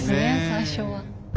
最初は。